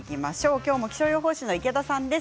今日も気象予報士の池田さんです。